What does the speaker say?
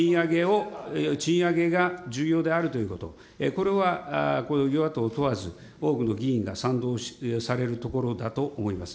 賃上げが重要であるということ、これは、これは与野党問わず多くの議員が賛同されるところだと思います。